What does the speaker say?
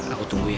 aku tunggu ya